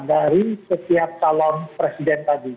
dari setiap calon presiden tadi